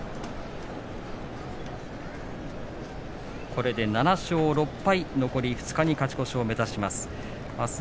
これで７勝６敗残り２日に勝ち越しを目指します。